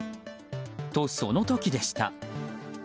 と、その時でした。